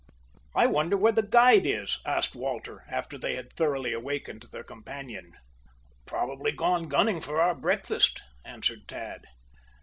"I wonder where the guide is?" asked Walter, after they had thoroughly awakened their companion. "Probably gone gunning for our breakfast," answered Tad.